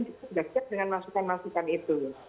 kita sudah siap dengan masukan masukan itu